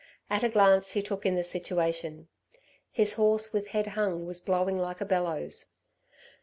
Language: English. At a glance he took in the situation. His horse with head hung was blowing like a bellows.